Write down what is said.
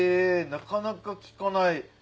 なかなか聞かない。